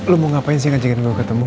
lo mau ngapain sih ngajakin lo ketemu